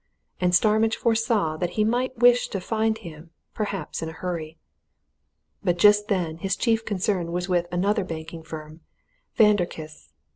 And Starmidge foresaw that he might wish to find him perhaps in a hurry. But just then his chief concern was with another banking firm Vanderkiste's.